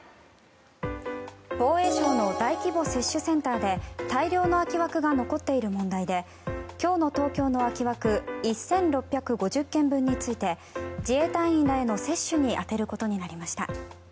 防衛省の大規模接種センターで大量の空き枠が残っている問題で今日の東京の空き枠１６５０件分について自衛隊員らへの接種に充てることになりました。